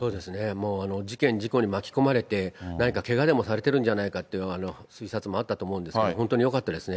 もう事件、事故に巻き込まれて、何かけがでもされてるんじゃないかという推察もあったと思うんですけど、本当よかったですね。